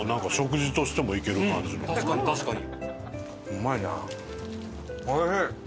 確かに確かに。